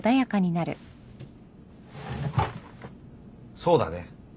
そうだね。